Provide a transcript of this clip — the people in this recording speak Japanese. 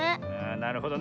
なるほどね。